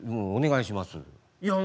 お願いします。